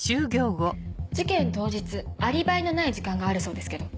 事件当日アリバイのない時間があるそうですけど。